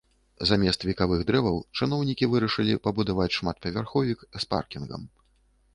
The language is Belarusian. Замест векавых дрэваў чыноўнікі вырашылі пабудаваць шматпавярховік з паркінгам.